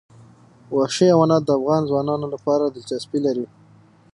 وحشي حیوانات د افغان ځوانانو لپاره دلچسپي لري.